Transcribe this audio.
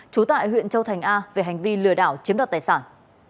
trú tại huyện châu thành a về hành vi lừa đảo chiếm đoạt tài sản